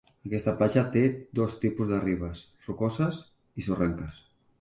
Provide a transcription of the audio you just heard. Aquesta platja té dos tipus de ribes, rocoses i sorrenques.